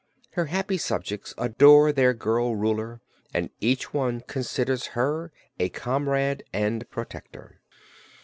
Her happy subjects adore their girl Ruler and each one considers her a comrade and protector.